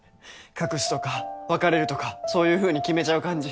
隠すとか別れるとかそういうふうに決めちゃう感じ。